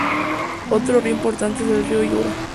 Otro río importante es el río Yura.